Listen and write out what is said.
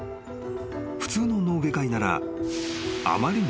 ［普通の脳外科医ならあまりに］